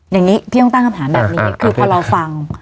อย่างนี้พี่ต้องตั้งคำถามแบบนี้คือพอเราฟัง